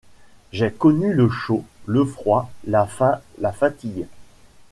J’ai connu le chaud, le froid, la faim, la fatigue !…